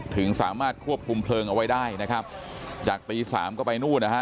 ถึงสามารถควบคุมเพลิงเอาไว้ได้นะครับจากตีสามก็ไปนู่นนะฮะ